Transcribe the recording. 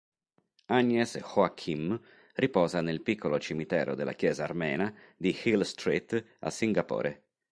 Agnes Joaquim riposa nel piccolo cimitero della chiesa armena di Hill Street a Singapore.